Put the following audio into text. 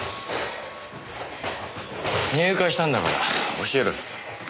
入会したんだから教えろよ。